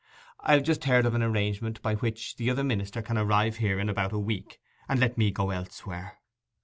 I have just heard of an arrangement by which the other minister can arrive here in about a week; and let me go elsewhere.